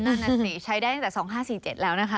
นั่นน่ะสิใช้ได้ตั้งแต่๒๕๔๗แล้วนะคะ